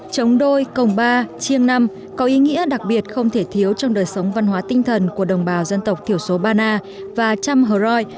chống đôi cồng ba chiêng năm có ý nghĩa đặc biệt không thể thiếu trong đời sống văn hóa tinh thần của đồng bào dân tộc thiểu số bana và cham hồ rồi